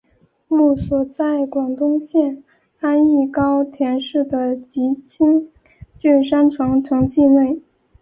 墓所在广岛县安艺高田市的吉田郡山城城迹内。